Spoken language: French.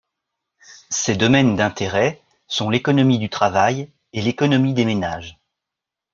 Ses domaines d’intérêt sont l’économie du travail et l’économie des ménages.